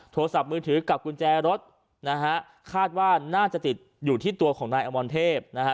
โทรศัพท์มือถือกับกุญแจรถนะฮะคาดว่าน่าจะติดอยู่ที่ตัวของนายอมรเทพนะฮะ